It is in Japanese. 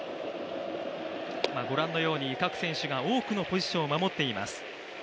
ご覧のように各選手が多くのポジションを守っています。